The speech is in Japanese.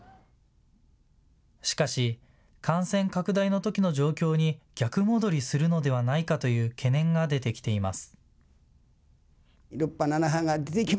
しかし感染拡大のときの状況に逆戻りするのではないかという懸念が出てきています。